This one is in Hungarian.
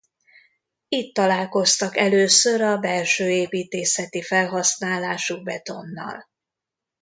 Itt találkoztak először a belsőépítészeti felhasználású betonnal.